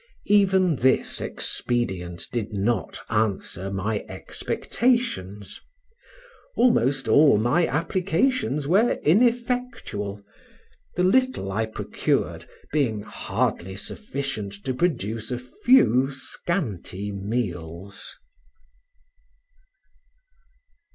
Even this expedient did not answer my expectations; almost all my applications were ineffectual, the little I procured being hardly sufficient to produce a few scanty meals.